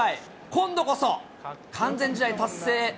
今度こそ、完全試合達成。